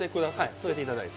添えていただいて。